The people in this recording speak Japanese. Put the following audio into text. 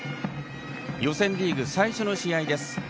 予選リーグ最初の試合です。